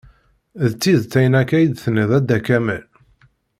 D tidet ayen akka i d-tenniḍ a Dda kamal.